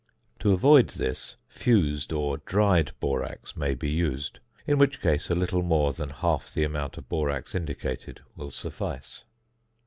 To avoid this, fused or dried borax may be used, in which case a little more than half the amount of borax indicated will suffice.